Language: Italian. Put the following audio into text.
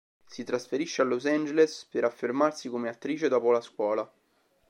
Si trasferisce a Los Angeles per affermarsi come attrice dopo la scuola.